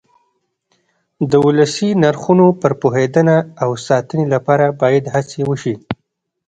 د ولسي نرخونو پر پوهېدنه او ساتنې لپاره باید هڅې وشي.